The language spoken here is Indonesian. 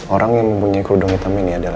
orang yang mempunyai kerudung hitam ini adalah